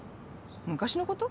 昔のこと？